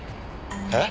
えっ？